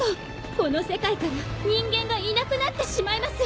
この世界から人間がいなくなってしまいます。